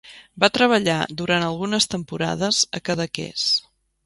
Va treballar durant algunes temporades a Cadaqués.